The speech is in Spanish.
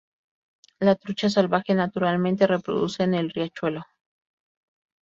La trucha salvaje naturalmente reproduce en el riachuelo.